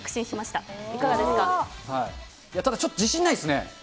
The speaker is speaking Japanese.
ただちょっと自信ないですね。